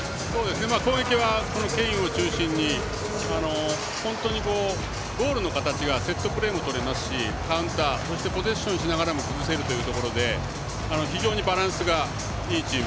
攻撃はケインを中心に本当にゴールの形がセットプレーも取れますしカウンターポゼッションを取りながら崩せるというところで非常にバランスがいいチーム。